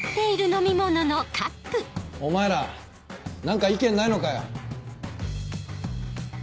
お前ら何か意見ないのかよ？